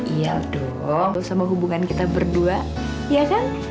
iya dong sama hubungan kita berdua ya kan